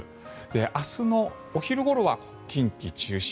明日のお昼ごろは近畿中心。